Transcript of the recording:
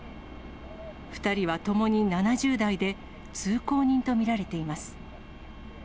２人はともに７０代で、通行人と見られています。